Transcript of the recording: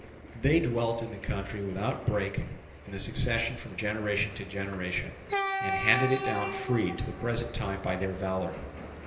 They dwelt in the country without break in the succession from generation to generation, and handed it down free to the present time by their valour.